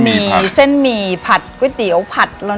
มีเส้นมีผัดก๋วยติ๋อผัดแล้ว